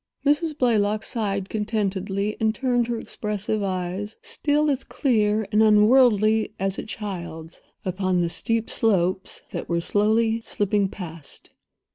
Mrs. Blaylock sighed contentedly, and turned her expressive eyes—still as clear and unworldly as a child's—upon the steep slopes that were slowly slipping past.